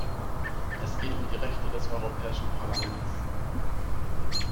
Es geht um die Rechte des Europäischen Parlaments.